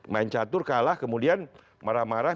main catur kalah kemudian marah marah